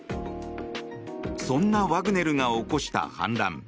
そんなワグネルが起こした反乱。